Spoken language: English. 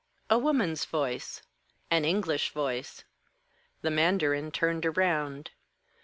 a woman's voice, an English voice. The mandarin turned round.